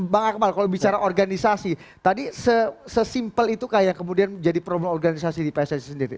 bang akmal kalau bicara organisasi tadi sesimpel itu kaya kemudian jadi problem organisasi di pssc